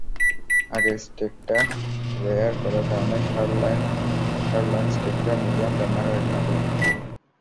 আগের স্টেকটা রেয়ার করার কারণে সারলইন স্টেকটা মিডিয়াম রান্না দেখানো হলো।